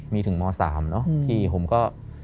มีถึงม๓ที่ผมก็